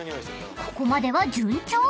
［ここまでは順調］